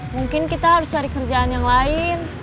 mungkin kita harus cari kerjaan yang lain